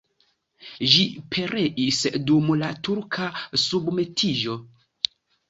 Ĝi pereis dum la turka submetiĝo.